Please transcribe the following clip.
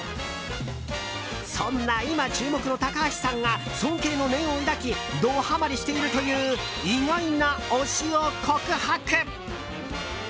そんな今注目の高橋さんが尊敬の念を抱きドハマりしているという意外な推しを告白！